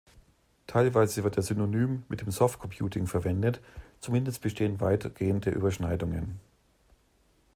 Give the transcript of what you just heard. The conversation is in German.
Teilweise wird er synonym mit dem Soft-Computing verwendet, zumindest bestehen weitgehende Überschneidungen.